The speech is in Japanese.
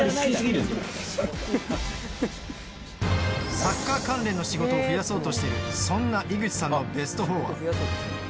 サッカー関連の仕事を増やそうとしているそんな井口さんのベスト４は。